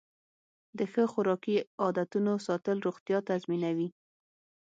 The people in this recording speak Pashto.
د ښه خوراکي عادتونو ساتل روغتیا تضمینوي.